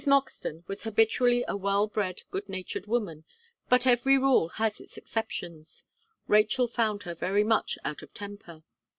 Moxton was habitually a well bred, good natured woman; but every rule has its exceptions. Rachel found her very much out of temper.